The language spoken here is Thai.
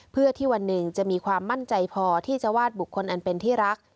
เพื่อที่วันหนึ่งจะมีความมั่นใจพอที่จะวาดบุคคลอันเป็นที่รัก